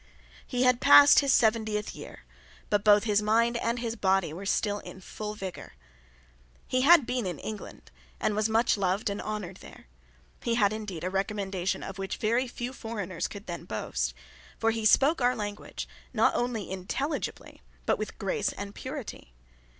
He had passed his seventieth year; but both his mind and his body were still in full vigour. He had been in England, and was much loved and honoured there. He had indeed a recommendation of which very few foreigners could then boast; for he spoke our language, not only intelligibly, but with grace and purity.